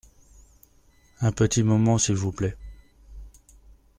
Un petit moment s’il vous plait.